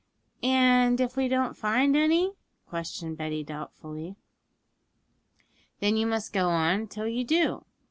'And if we don't find any?' questioned Betty doubtfully. 'Then you must go on till you do.